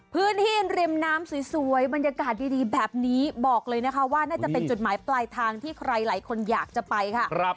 พื้นที่ริมน้ำสวยบรรยากาศดีแบบนี้บอกเลยนะคะว่าน่าจะเป็นจุดหมายปลายทางที่ใครหลายคนอยากจะไปค่ะ